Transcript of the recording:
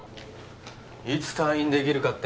いつ退院できるかって？